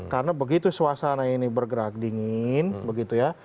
karena begitu suasana ini bergerak dingin begitu ya